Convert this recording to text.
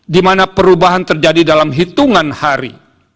dimana perubahan terjadi dalam hitungan hari